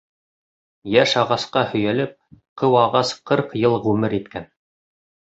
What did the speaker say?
Йәш ағасҡа һөйәлеп, ҡыу ағас ҡырҡ йыл ғүмер иткән.